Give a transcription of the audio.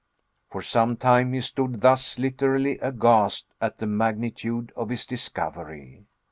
For some time he stood thus, literally aghast at the magnitude of his discovery.